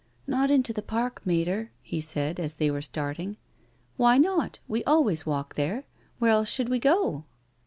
" Not into the Park, Mater," he said, as they were starting. " Why not ? We always walk there. Where else should we go